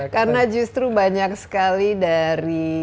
karena justru banyak sekali dari